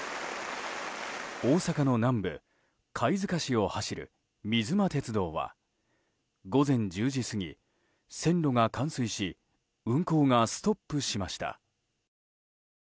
大阪の南部、貝塚市を走る水間鉄道は午前１０時過ぎ、線路が冠水し運行がストップしました。